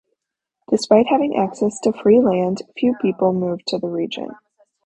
Despite having access to free land, few people moved to the region.